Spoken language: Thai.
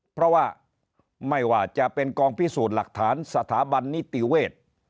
เพราะว่าไม่ว่าจะเป็นกองพิสูจน์หลักฐานสถาบันนิติเวศ